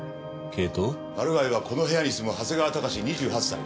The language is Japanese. マルガイはこの部屋に住む長谷川隆志２８歳。